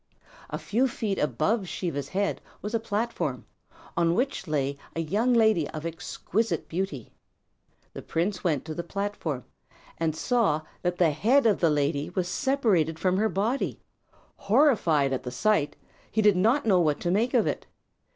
A few feet above Siva's head was a platform, on which lay a young lady of exquisite beauty. The prince went to the platform and saw that the head of the lady was separated from her body. Horrified at the sight, he did not know what to make of it.